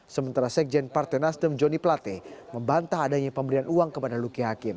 sementara sekjen partai nasdem joni plate membantah adanya pemberian uang kepada luki hakim